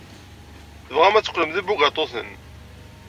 Tebɣam ad teqqlem d ibugaṭuten.